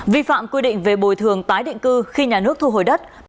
vi phạm quy định về bồi thường tái định cư khi nhà nước thu hồi đất